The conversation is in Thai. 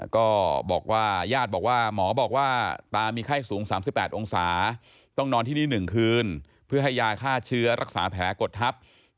ก็บอกว่าญาติบอกว่าหมอบอกว่าตามีไข้สูง๓๘องศาต้องนอนที่นี่๑คืนเพื่อให้ยาฆ่าเชื้อรักษาแผลกดทับ